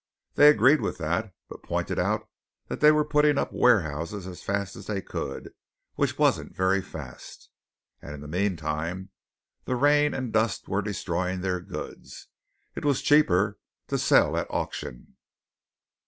They agreed with that; but pointed out that they were putting up warehouses as fast as they could which wasn't very fast and in the meantime the rains and dust were destroying their goods. It was cheaper to sell at auction."